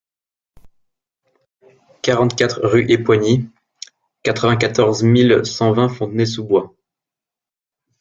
quarante-quatre rue Epoigny, quatre-vingt-quatorze mille cent vingt Fontenay-sous-Bois